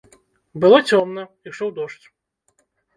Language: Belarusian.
Было цёмна, ішоў дождж.